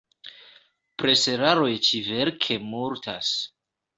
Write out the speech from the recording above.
Preseraroj ĉi-verke multas.